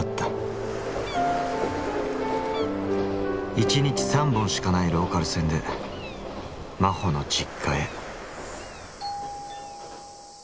一日３本しかないローカル線で真帆の実家へ。